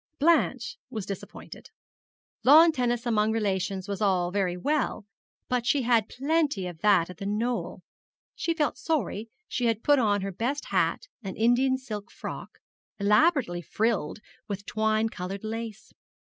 Blanche was disappointed. Lawn tennis among relations was all very well, but she had plenty of that at the Knoll. She felt sorry she had put on her best hat and Indian silk frock, elaborately frilled with twine coloured lace.